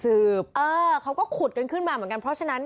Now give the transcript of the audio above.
เออเขาก็ขุดกันขึ้นมาเหมือนกัน